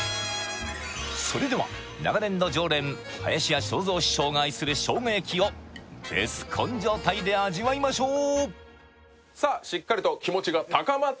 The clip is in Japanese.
それでは長年の常連林家正蔵師匠が愛するしょうが焼きをベスコン状態で味わいましょういきましょう！